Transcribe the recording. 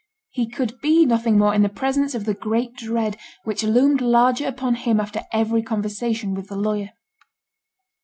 He could be nothing more in the presence of the great dread which loomed larger upon him after every conversation with the lawyer.